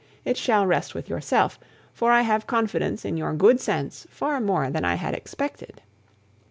It shall rest with yourself, for I have confidence in your good sense far more than I had expected.